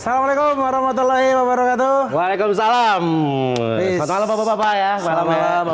salamualaikum warahmatullahi wabarakatuh waalaikumsalam